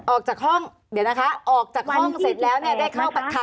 ออกจากห้องเดี๋ยวนะคะออกจากห้องเสร็จแล้วเนี่ยได้เข้าปะทะ